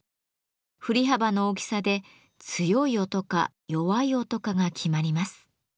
振り幅の大きさで強い音か弱い音かが決まります。